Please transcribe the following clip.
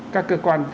các cơ quan